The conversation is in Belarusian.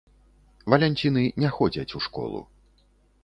Валянціны не ходзяць у школу.